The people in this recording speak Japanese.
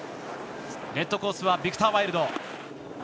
レッドコースはビクター・ワイルド。